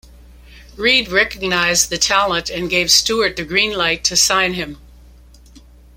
Reid recognised the talent and gave Stewart the green light to sign him.